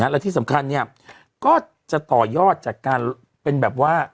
และที่สำคัญเนี่ยก็จะต่อยอดจากการเป็นแบบว่า